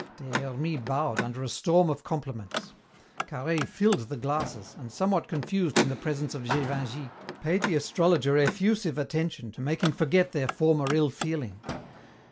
Des Hermies bowed under a storm of compliments. Carhaix filled the glasses, and, somewhat confused in the presence of Gévingey, paid the astrologer effusive attention to make him forget their former ill feeling.